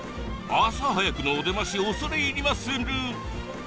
朝早くのお出まし恐れ入りまする。